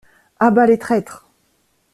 A bas les traîtres!